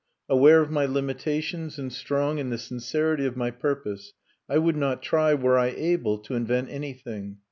Aware of my limitations and strong in the sincerity of my purpose, I would not try (were I able) to invent anything.